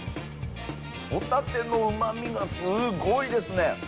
ホタテのうまみがすごいですね。